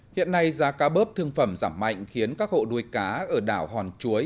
hiện nay giá cá bớp thương phẩm giảm mạnh khiến các hộ nuôi cá ở đảo hòn chuối